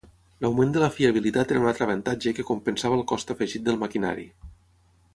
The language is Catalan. L'augment de la fiabilitat era un altre avantatge que compensava el cost afegit del maquinari.